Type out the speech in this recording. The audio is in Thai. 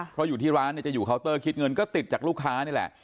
เพราะอยู่ที่ร้านเนี่ยจะอยู่เคาน์เตอร์คิดเงินก็ติดจากลูกค้านี่แหละ